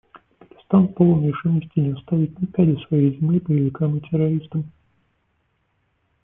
Пакистан полон решимости не оставить ни пяди своей земли боевикам и террористам.